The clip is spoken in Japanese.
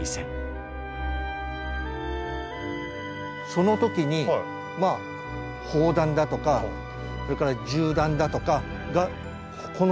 その時にまあ砲弾だとかそれから銃弾だとかがこの跡なんです。